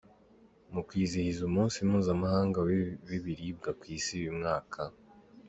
Mu kwizihiza umunsi mpuzamahanga w’ibiribwa ku isi uyu mwaka,.